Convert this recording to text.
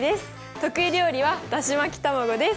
得意料理はだし巻き卵です。